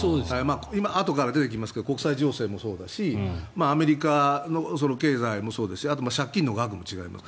あとから出てきますが国際情勢もそうだしアメリカの経済もそうですし借金の額も違います。